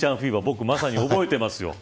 僕、まさに覚えてますよ。